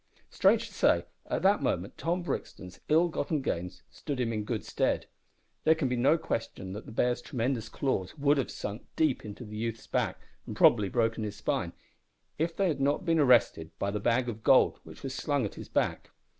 Strange to say, at that moment Tom Brixton's ill gotten gains stood him in good stead. There can be no question that the bear's tremendous claws would have sunk deep into the youth's back, and probably broken his spine, if they had not been arrested by the bag of gold which was slung at his back.